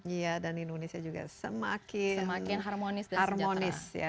iya dan indonesia juga semakin harmonis dan sejahtera